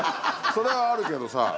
それはあるけどさ。